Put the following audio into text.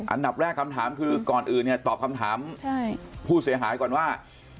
อันดับแรกคำถามคือก่อนอื่นเนี่ยตอบคำถามผู้เสียหายก่อนว่า